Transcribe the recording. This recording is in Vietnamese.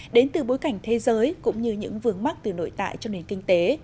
đến từ bối cảnh thế giới cũng như những vườn mắt từ nội tại cho nền kinh tế